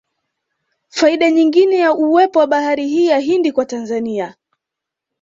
Faida nyingine ya uwepo wa bahari hii ya Hindi kwa Tanzania